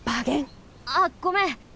あっごめん！